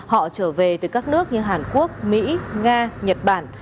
họ trở về từ các nước như hàn quốc mỹ nga nhật bản